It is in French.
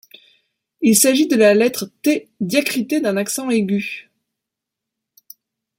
Il s’agit de la lettre Ɨ diacritée d'un accent aigu.